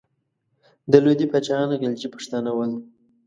د لودي پاچاهان غلجي پښتانه ول.